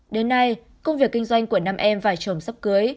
đến nay công việc kinh doanh của nam em và chồng sắp cưới